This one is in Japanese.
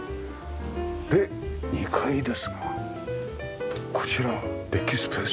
で２階ですがこちらはデッキスペース。